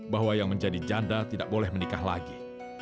bahwa yang menjadi janda tidak boleh menikah lagi